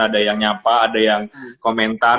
ada yang nyapa ada yang komentar